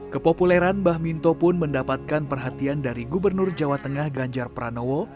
kepopuleran bah minto pun mendapatkan perhatian dari gubernur jawa tengah ganjar pranowo